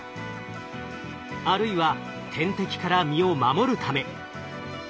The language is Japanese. あるいは天敵から身を守るため。